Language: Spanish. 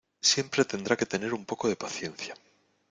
siempre tendrá que tener un poco de paciencia